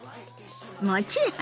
もちろんよ。